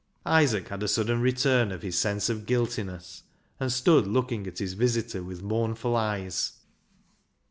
Isaac had a sudden return of his sense of guiltiness, and stood looking at his visitor with mournful eyes.